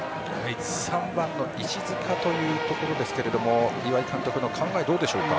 ３番の石塚というところですが岩井監督の考え、どうでしょうか。